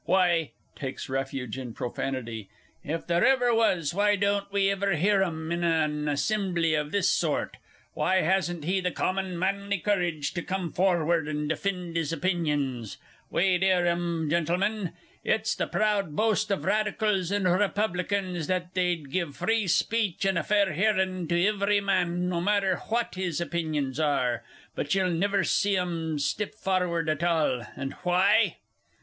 why (takes refuge in profanity). If there was why don't we iver hear 'um in an assimbly of this sort? Why hasn't he the common manly courage to come forward and defind his opinions? We'd hear 'um, Gintlemen. It's the proud boast of Radicals and Republikins that they'd give free speech and a fair hearin' to ivery man, no matter hwhat his opinions are, but ye'll niver see 'um stip farward at ahl and hwhy?